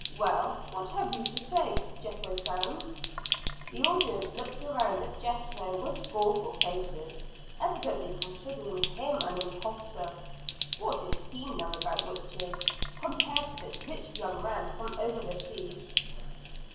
"Well, what have you to say, Jethro Sands?" The audience looked around at Jethro with scornful faces, evidently considering him an imposter. What did he know about witches compared to this rich young man from over the seas?